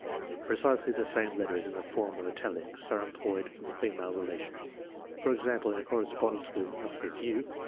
Precisely the same letters, in the form of Italics, are employed for the female relations. For example in cor respondence with U.